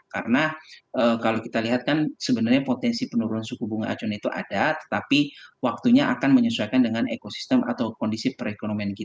karena kalau kita lihat kan sebenarnya potensi penurunan suku bunga acuan itu ada tetapi waktunya akan menyesuaikan dengan ekosistem atau ekosistem